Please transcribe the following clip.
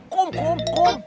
kum kum kum